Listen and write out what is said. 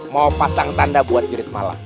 mau pasang tanda buat jurid malam